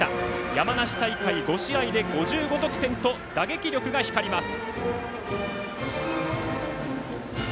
山梨大会５試合で５５得点と打撃力が光ります。